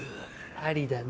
ありだね。